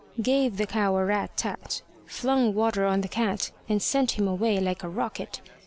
Gave the cow a rat tat, Flung water on the cat, And sent him away like a rocket.